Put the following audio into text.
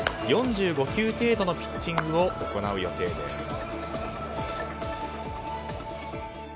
４５球程度のピッチングを行う予定です。